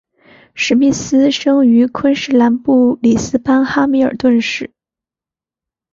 史密斯生于昆士兰布里斯班哈密尔顿市。